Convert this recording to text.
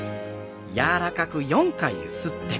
柔らかくゆすって。